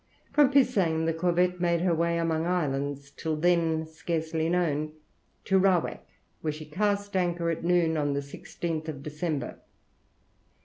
From Pisang the corvette made her way among islands, till then scarcely known, to Rawak, where she cast anchor at noon on the 16th of December.